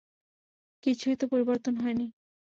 কিছুই তো পরিবর্তন হয় নি।